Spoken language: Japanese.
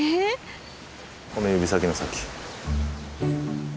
この指先の先。